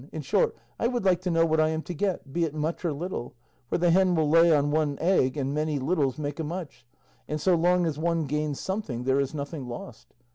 In short, I would like to know what I am to get, be it much or little; for the hen will lay on one egg, and many littles make a much, and so long as one gains something there is nothing lost.